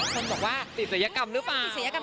คนบอกว่าติดศัยกรรมหรือเปล่า